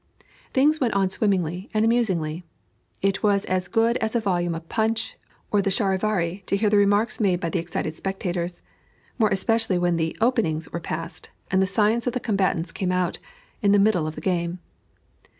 Things went on swimmingly and amusingly. It was as good as a volume of Punch or the Charivari to hear the remarks made by the excited spectators; more especially when the "openings" were past, and the science of the combatants came out, in the middle of the game.